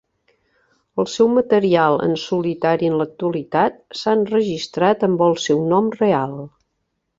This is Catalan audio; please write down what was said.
El seu material en solitari en l'actualitat s'ha enregistrat amb el seu nom real.